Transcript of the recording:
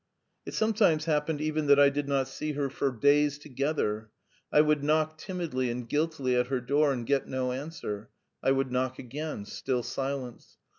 It sometimes happened even that I did not see her for days together. I would knock timidly and guiltily at her door and get no answer; I would knock again still silence.